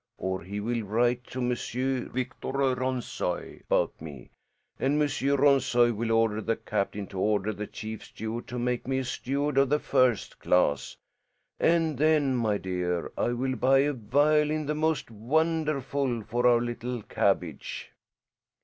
Or he will write to M. Victor Ronssoy about me, and Monsieur Ronssoy will order the captain to order the chief steward to make me a steward of the first class, and then, my dear, I will buy a violin the most wonderful for our little cabbage."